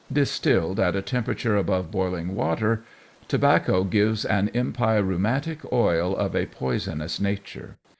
Distilled at a temperature above boiling water, tobacco gives an empyreumatic oil of a poisonous nature.